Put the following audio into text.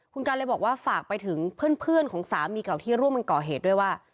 คุณกันเลยบอกว่าฝากไปถึงเพื่อนของสามีเก่าที่ร่วมกันก่อเหตุด้วยว่า